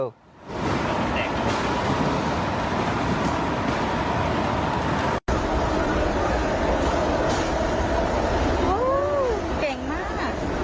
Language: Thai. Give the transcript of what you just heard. เก่งมาก